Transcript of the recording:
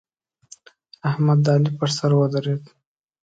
احمد د علي پر سر ودرېد.